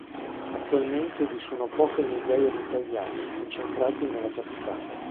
Attualmente vi sono poche migliaia di Italiani, concentrati nella capitale.